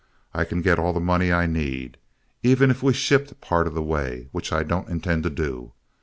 "I can get all the money I need, even if we shipped part way, which I don't intend to do.